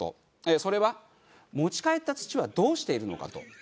それは持ち帰った土はどうしているのかと。